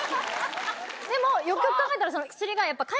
でもよくよく考えたら。